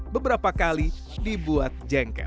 beberapa kali dibuat jengkel